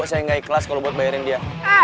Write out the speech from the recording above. saya nggak ikhlas kalau buat bayarin dia